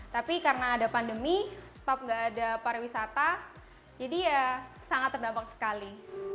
tapi karena ada pandemi stop gak ada para wisata jadi ya sangat terdampak sekali